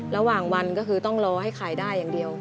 ระหว่างวันก็คือต้องรอให้ขายได้อย่างเดียว